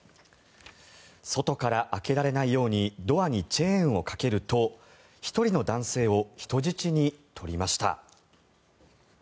外から開けられないようにドアにチェーンをかけると１人の男性を人質に取りました。